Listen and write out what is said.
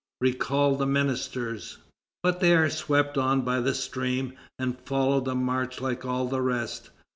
Recall the ministers!" But they are swept on by the stream, and follow the march like all the rest.